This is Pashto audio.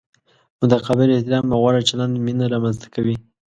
متقابل احترام او غوره چلند مینه را منځ ته کوي.